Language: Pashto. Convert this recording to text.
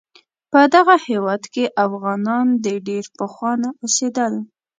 په دغه هیواد کې افغانان د ډیر پخوانه اوسیدل